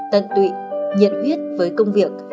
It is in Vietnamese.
tận tụy nhiệt huyết với công việc